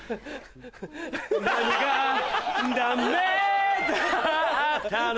何がダメだったの？